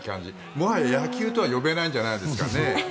もはや野球とは呼べないんじゃないですかね。